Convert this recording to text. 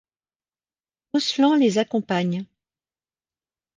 Rouslan les accompagne.